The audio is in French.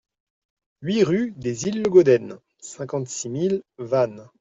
huit rue des Îles Logoden, cinquante-six mille Vannes